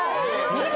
見て！